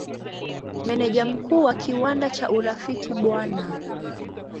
Meneja Mkuu wa kiwanda cha Urafiki Bw.